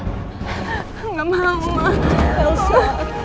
tidak mau pak elsa